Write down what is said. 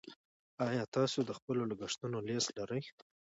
ایا تاسو د خپلو لګښتونو لیست لرئ.